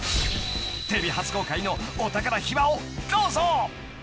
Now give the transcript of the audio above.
［テレビ初公開のお宝秘話をどうぞ］